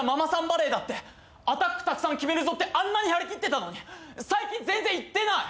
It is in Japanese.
バレーだってアタックたくさん決めるぞってあんなに張り切ってたのに最近全然行ってない。